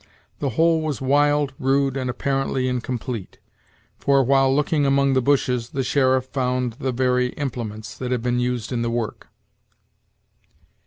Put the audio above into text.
The whole was wild, rude, and apparently incomplete; for, while looking among the bushes, the sheriff found the very implements that had been used in the work.